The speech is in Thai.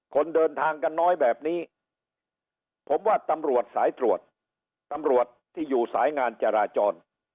คนเดินทางกันน้อยแบบนี้ผมว่าตำรวจสายตรวจตำรวจตำรวจที่อยู่สายงานจราจร